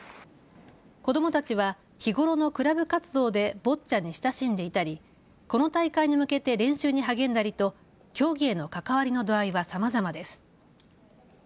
子どもたちは日頃のクラブ活動でボッチャに親しんでいたりこの大会に向けて練習に励んだりと競技への関わりの度合いはさまざまです。